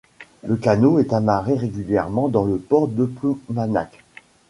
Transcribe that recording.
Le canot est amarré régulièrement dans le port de Ploumanac'h.